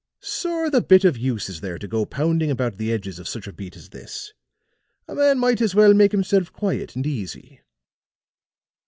Sorra the bit of use is there to go pounding about the edges of such a beat as this. A man might as well make himself quiet and easy."